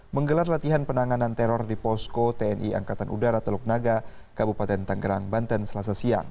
menggelar latihan penanganan teror di posko tni angkatan udara teluk naga kabupaten tanggerang banten selasa siang